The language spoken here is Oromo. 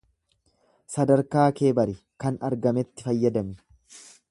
Sadarkaa kee bari, kan argametti fayyadami.